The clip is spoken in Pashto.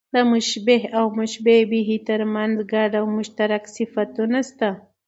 د مشبه او مشبه به؛ تر منځ ګډ او مشترک صفتونه سته.